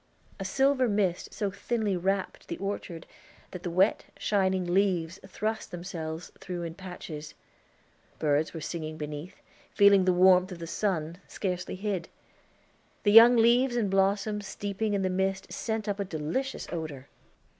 A silver mist so thinly wrapped the orchard that the wet, shining leaves thrust themselves through in patches. Birds were singing beneath, feeling the warmth of the sun, scarcely hid. The young leaves and blossoms steeping in the mist sent up a delicious odor.